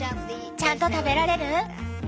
ちゃんと食べられる？